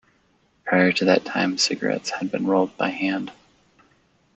Prior to that time, cigarettes had been rolled by hand.